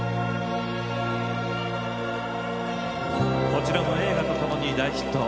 こちらも映画とともに大ヒット